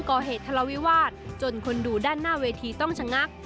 ก่อเหตุทะเลาวิวาสจนคนดูด้านหน้าเวทีต้องชะงัก